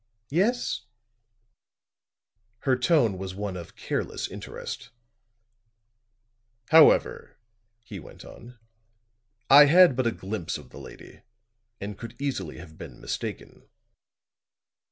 "Yes?" Her tone was one of careless interest. "However," he went on, "I had but a glimpse of the lady; and could easily have been mistaken."